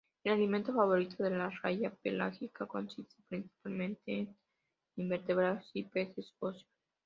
El alimento favorito de la raya pelágica consiste principalmente en invertebrados y peces óseos.